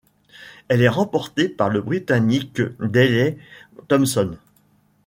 Elle est remportée par le Britannique Daley Thompson.